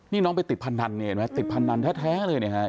นี่น้องไปติดพนันเนี่ยเห็นไหมติดพนันแท้เลยเนี่ยฮะ